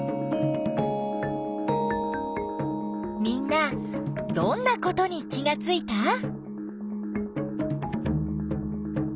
みんなどんなことに気がついた？